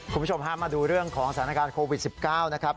คุณผู้ชมฮะมาดูเรื่องของสถานการณ์โควิด๑๙นะครับ